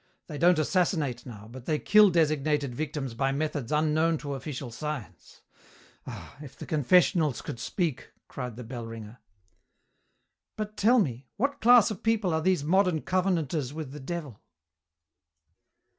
They don't assassinate now, but they kill designated victims by methods unknown to official science ah, if the confessionals could speak!" cried the bell ringer. "But tell me, what class of people are these modern covenanters with the Devil?"